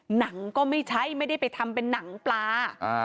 หนังก็ไม่ใช่ไม่ได้ไปทำเป็นหนังปลา